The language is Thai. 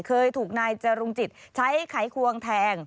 เคยถูกนายจรุงจิตใช้ไขควงแทง